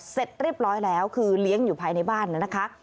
เสร็จเรียบร้อยแล้วคือเลี้ยงอยู่ภายในบ้านนะคะ